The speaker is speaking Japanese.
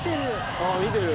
あ見てる。